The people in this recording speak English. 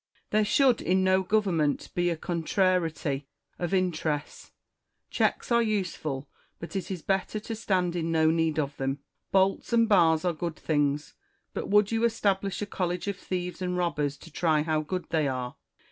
There should in no government be a contrariety of interests. Checks are useful ; but it is better to stand in no need of them. Bolts and bars are good things ; but would you establish a college of thieves and robbers to try how good they are?